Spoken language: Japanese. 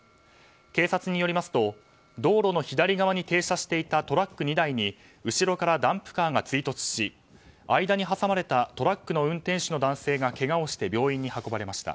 警察によりますと道路の左側に停車していたトラック２台に後ろからダンプカーが追突し間に、挟まれたトラックの運転手の男性がけがをして病院に運ばれました。